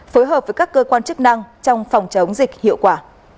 phối hợp với các cơ quan chức năng trong phòng chống dịch hiệu quả